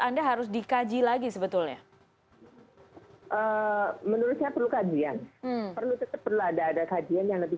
anda harus dikaji lagi sebetulnya menurutnya perlu kajian perlu tetap ada kajian yang lebih